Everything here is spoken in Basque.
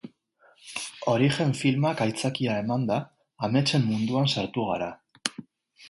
Origen filmak aitzakia emanda, ametsen munduan sartu gara.